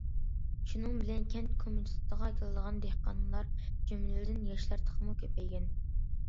شۇنىڭ بىلەن كەنت كومىتېتىغا كېلىدىغان دېھقانلار جۈملىدىن ياشلار تېخىمۇ كۆپەيگەن.